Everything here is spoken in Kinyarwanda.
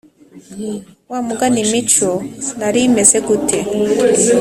wamugani mico narimeze gute?"